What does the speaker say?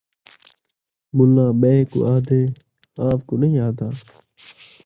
ملّاں ٻئے کوں آہدے ، آپ کوں نئیں آہدا